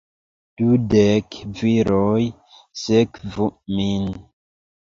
Dudek viroj sekvu min!